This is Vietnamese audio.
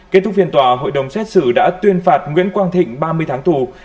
kết thúc phiên tòa hội đồng xét xử đã tuyên phạt nguyễn quang thịnh ba mươi tháng tù